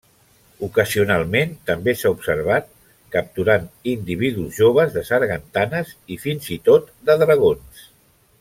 Ocasionalment també s'ha observat capturant individus joves de sargantanes i fins i tot de dragons.